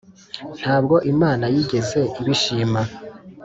nta bwo Imana yigeze ibishima,